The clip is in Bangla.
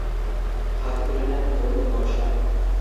হাতে তুলে নেন ভয়ংকর বর্শা।